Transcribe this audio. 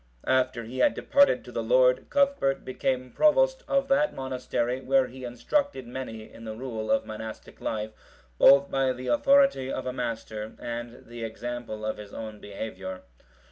After he had departed to the Lord, Cuthbert became provost of that monastery, where he instructed many in the rule of monastic life, both by the authority of a master, and the example of his own behaviour.